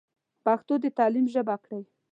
پښتو د تعليم ژبه کړئ.